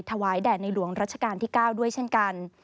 แด่ในหลวงรัชกาลที่๙ด้วยเช่นกัน